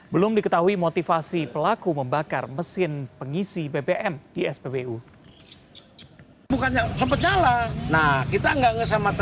belum diketahui motivasi pelaku membakar mesin pengisian